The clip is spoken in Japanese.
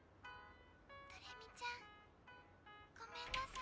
「どれみちゃんごめんなさい」。